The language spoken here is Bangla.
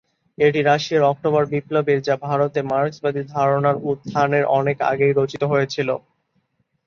এটি রাশিয়ার অক্টোবর বিপ্লবের বা ভারতে মার্কসবাদী ধারণার উত্থানের অনেক আগেই রচিত হয়েছিল।